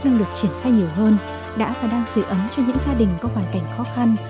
đang được triển khai nhiều hơn đã và đang sử ấm cho những gia đình có hoàn cảnh khó khăn